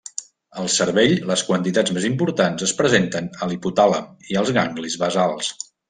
Al cervell, les quantitats més importants es presenten a l'hipotàlem i els ganglis basals.